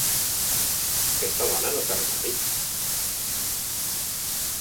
Aquesta dona no té armari?